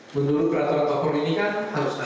menurut peraturan paper ini kan harus ada